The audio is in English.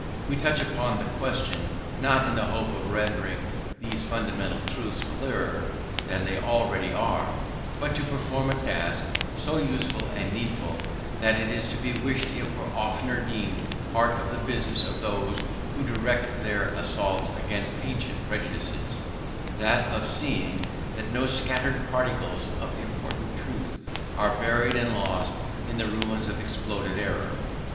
We touch upon the question, not in the hope of rendering these fundamental truths clearer than they already are, but to perform a task, so useful and needful, that it is to be wished it were oftener deemed part of the business of those who direct their assaults against ancient prejudices, that of seeing that no scattered particles of important truth are buried and lost in the ruins of exploded error.